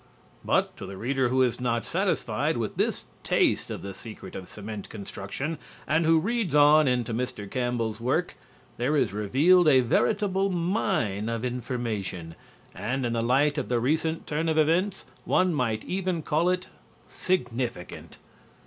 But to the reader who is not satisfied with this taste of the secret of cement construction and who reads on into Mr. Campbell's work, there is revealed a veritable mine of information. And in the light of the recent turn of events one might even call it significant.